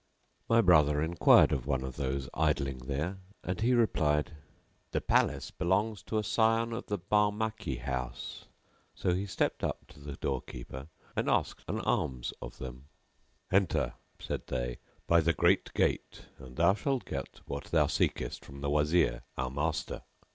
[FN#684] My brother enquired of one of those idling there and he replied "The palace belongs to a scion of the Barmaki house;" so he stepped up to the door keepers and asked an alms of them "Enter," said they, "by the great gate and thou shalt get what thou seekest from the Wazir our master."